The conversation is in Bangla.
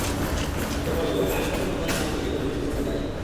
সে বলল, আমিও তো জীবন দান করি ও মৃত্যু ঘটাই।